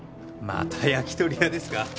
また焼き鳥屋ですか？